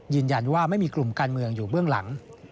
ยืนยันว่าไม่มีกลุ่มการเมืองอยู่เบื้องหลัง